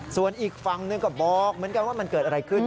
ส่วนอีกฝั่งหนึ่งก็บอกเหมือนกันว่ามันเกิดอะไรขึ้น